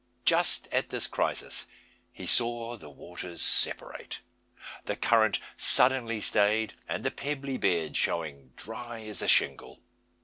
Just at this crisis he saw the waters separate; the current suddenly stayed, and the pebbly bed showing dry as a shingle!